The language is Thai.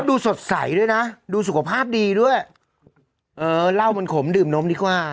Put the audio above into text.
ดูสดใสด้วยนะดูสุขภาพดีด้วยเออเหล้ามันขมดื่มนมดีกว่า